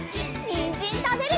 にんじんたべるよ！